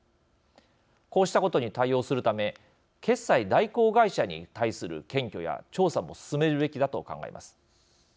こうしたことに対応するため決済代行会社に対する検挙や調査も進めるべきだと考えます。